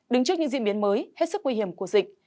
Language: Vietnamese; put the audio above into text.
đứng trước những diễn biến mới hết sức nguy hiểm của dịch